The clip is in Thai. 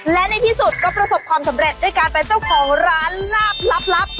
และในที่สุดก็ประสบความสำเร็จด้วยการเป็นเจ้าของร้านลาบลับ